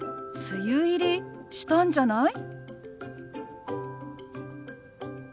梅雨入りしたんじゃない？